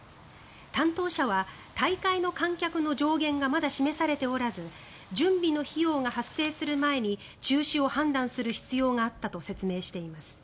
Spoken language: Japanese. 担当者は大会の観客の上限がまだ示されておらず準備の費用が発生する前に中止を判断する必要があったと説明しています。